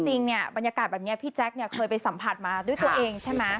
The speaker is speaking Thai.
จริงเนี่ยบรรยากาศแบบนี้พี่แจ๊คเนี่ยเคยไปสัมผัสมาด้วยตัวเองใช่ไหม